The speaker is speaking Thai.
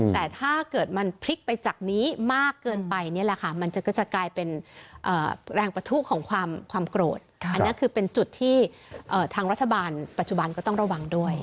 แต่ถ้าเกิดมันพลิกไปจากนี้มากเกินไปเนี่ยแหละค่ะ